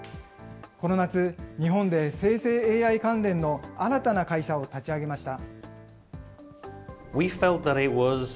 この夏、日本で生成ＡＩ関連の新たな会社を立ち上げました。